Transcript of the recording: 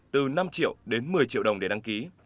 từ năm triệu đến một mươi triệu đồng để đăng ký